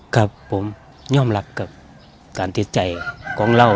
ครับผมย่อมรักกับการติดใจของเรา